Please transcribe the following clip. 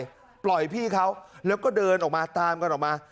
ก็ปล่อยพี่ครับแล้วก็เดินตามกันออกมา